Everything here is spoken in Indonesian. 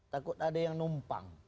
takut ada yang numpang